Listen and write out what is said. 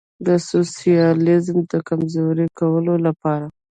د سوسیالیزم د کمزوري کولو لپاره.